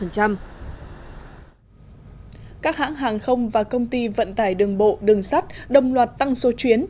các hãng hàng không và công ty vận tải đường bộ đường sắt đồng loạt tăng số chuyến